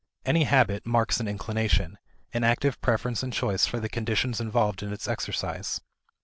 Any habit marks an inclination an active preference and choice for the conditions involved in its exercise.